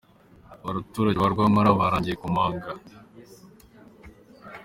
Abaturage ba Rwampara baragiriye ku manga